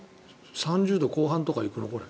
３０度後半とか行くの？